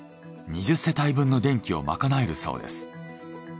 ２０世帯分の電気をまかなえるそうです。